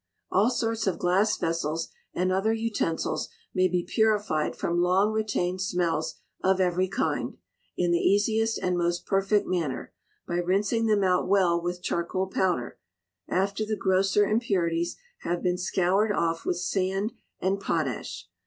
All sorts of glass vessels and other utensils may be purified from long retained smells of every kind, in the easiest and most perfect manner, by rinsing them out well with charcoal powder, after the grosser impurities have been scoured off with sand and potash.